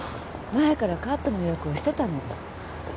前からカットの予約をしてたの。